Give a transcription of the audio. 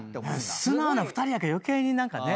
素直な２人やから余計に何かね。